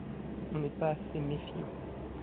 on n'est pas assez méfiants.